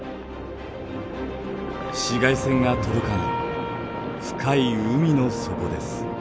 紫外線が届かない深い海の底です。